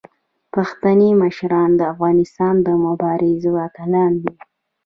پښتني مشران د افغانستان د مبارزې اتلان دي.